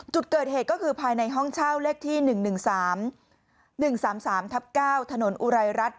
จุดเกิดเหตุก็คือภายในห้องเช่าเลขที่๑๑๓๑๓๓ทับ๙ถนนอุไรรัฐ